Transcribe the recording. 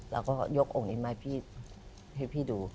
เราก็ยกองค์นี้มาให้พี่ดู